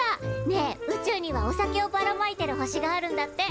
ねえ宇宙にはお酒をばらまいてる星があるんだって。